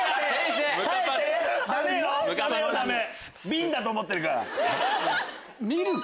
瓶だと思ってるから。